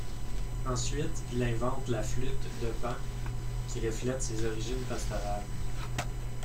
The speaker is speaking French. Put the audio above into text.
Ensuite, il invente la flûte de Pan qui reflète ses origines pastorales.